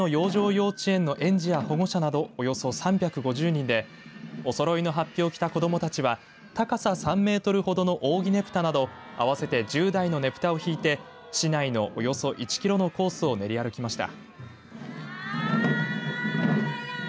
幼稚園の園児や保護者などおよそ３５０人でおそろいのはっぴを着た子どもたちは高さ３メートルほどの扇ねぷたなど合わせて１０台のねぷたを引いて市内のおよそ１キロのコースを練り歩きました。